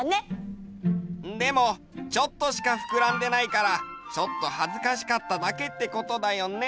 でもちょっとしかふくらんでないからちょっとはずかしかっただけってことだよね？